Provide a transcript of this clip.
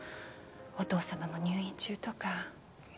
お父様も入院中とか